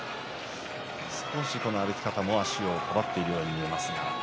歩き方も足をかばっているように見えます。